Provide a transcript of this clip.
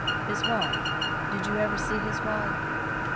His wife Did you ever see his wife?"